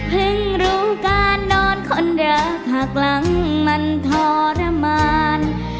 เพิ่งรู้การโดนคนเดือดหากหลังมันทรมาน